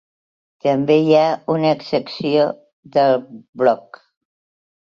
També hi ha una secció de bloc.